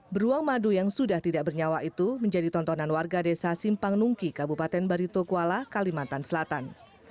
beruang madu yang sudah tidak bernyawa itu menjadi tontonan warga desa simpang nungki kabupaten baritokuala kalimantan selatan